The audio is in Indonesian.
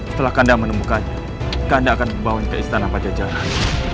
setelah kanda menemukannya kanda akan membawa dia ke istana pada jaran